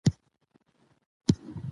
فشار پر مانا اغېز لري.